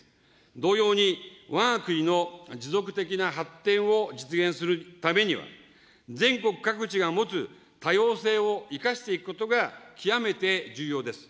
同様に、わが国の持続的な発展を実現するためには、全国各地が持つ多様性を生かしていくことが極めて重要です。